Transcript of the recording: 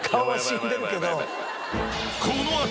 ［この後］